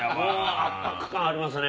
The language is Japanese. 圧迫感ありますね。